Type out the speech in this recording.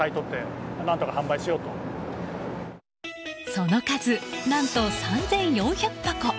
その数、何と３４００箱。